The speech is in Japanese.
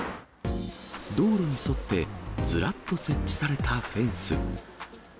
道路に沿ってずらっと設置されたフェンス。